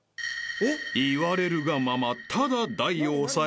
［言われるがまま］